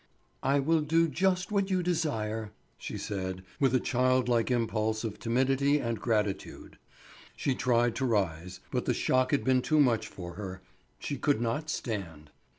"I will do just what you desire," she said with a childlike impulse of timidity and gratitude. She tried to rise, but the shock had been too much for her; she could not stand.